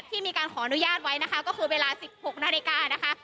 มีการขออนุญาตไว้นะคะก็คือเวลา๑๖นาฬิกานะคะ